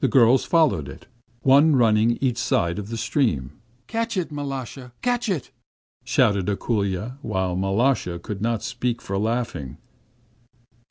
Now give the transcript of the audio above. The girls followed it; one running each side of the little stream. 'Catch it, Mal√°sha! Catch it!' shouted Ako√∫lya; while Mal√°sha could not speak for laughing.